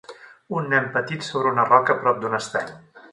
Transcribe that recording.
Un nen petit sobre una roca prop d'un estany.